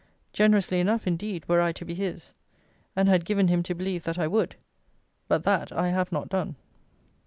Generously enough, indeed, were I to be his; and had given him to believe that I would. But that I have not done.